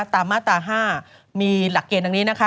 ตามมาตรา๕มีหลักเกณฑ์ดังนี้นะคะ